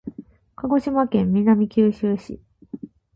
鹿児島県南九州市